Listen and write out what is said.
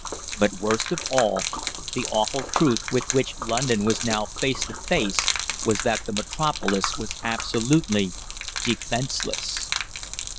But worst of all, the awful truth with which London was now face to face was that the metropolis was absolutely defenceless.